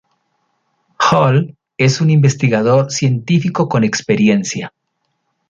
Hal es un investigador científico con experiencia.